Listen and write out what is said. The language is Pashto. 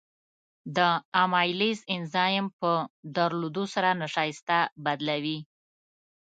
د امایلیز انزایم په درلودو سره نشایسته بدلوي.